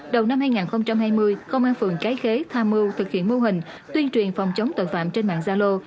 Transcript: đầu năm hai nghìn hai mươi công an phường cái khế tham mưu thực hiện mô hình tuyên truyền phòng chống tội phạm trên mạng gia lô